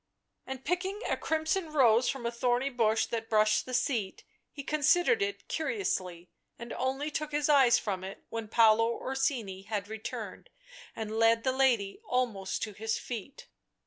And picking a crimson rose from a thorny bush that brushed the seat, he considered it curiously, and only took his eyes from it when Paolo Orsini had returned and led the lady almost to his feet.